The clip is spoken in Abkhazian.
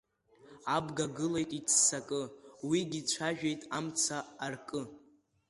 Абга гылеит иццакы, уигьы цәажәеит амца аркы…